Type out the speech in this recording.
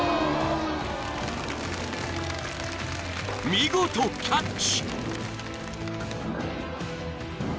［見事キャッチ！］